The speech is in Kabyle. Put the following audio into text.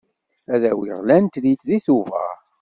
Ad awiɣ lantrit deg Tubeṛ.